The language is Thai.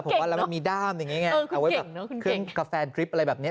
เอาไว้แบบเครื่องกาแฟดริปอะไรแบบนี้